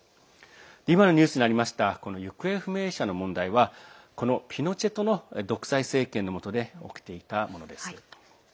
今のニュースにありました行方不明者の問題はピノチェトの独裁政権のもとで起きていたものです。